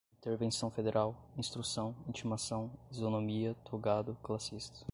intervenção federal, instrução, intimação, isonomia, togado, classista